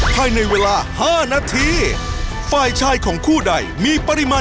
ให้ในเวลา๕นาที